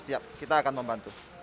siap kita akan membantu